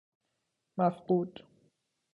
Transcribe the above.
مفقود